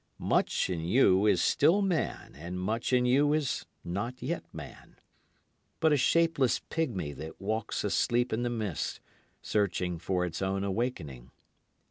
Much in you is still man, and much in you is not yet man, But a shapeless pigmy that walks asleep in the mist searching for its own awakening.